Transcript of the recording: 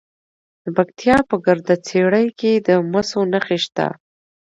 د پکتیا په ګرده څیړۍ کې د مسو نښې شته.